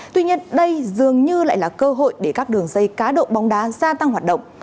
tuy nhiên đây dường như lại là cơ hội để các đường dây cá độ bóng đá gia tăng hoạt động